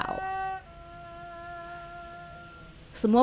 semua perlengkapan ini dikaitkan dengan tradisi minum teh yang tidak pernah terputus